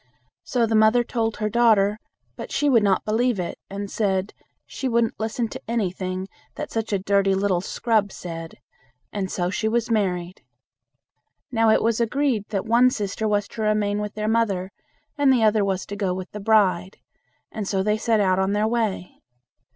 So the mother told her daughter, but she would not believe it, and said, "she wouldn't listen to anything that such a dirty little scrub said", and so she was married. Now, it was agreed that one sister was to remain with their mother and the other was to go with the bride, and so they set out on their way.